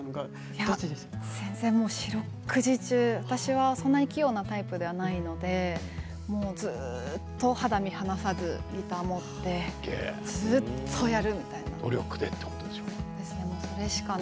いや、もう本当に四六時中私はそんなに器用なタイプではないのでずっと肌身離さずギターを持ってずっとやるみたい努力でってことでしょう？